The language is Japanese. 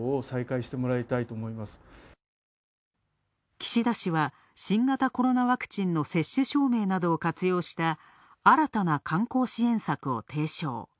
岸田氏は新型コロナワクチンの接種証明などを活用した、新たな観光支援策を提唱。